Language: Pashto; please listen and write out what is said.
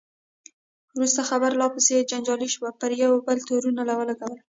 وروسته خبره لا پسې جنجالي شوه، پر یو بل یې تورونه ولګول.